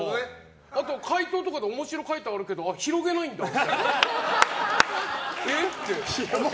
あと回答とかで面白回答あるけど広げないんだとか。